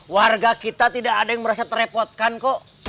warga kita tidak ada yang merasa terepotkan kok